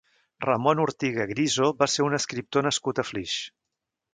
Ramon Ortiga Griso va ser un escriptor nascut a Flix.